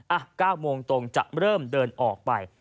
๙โมงตรงจะเริ่มเดินออกไป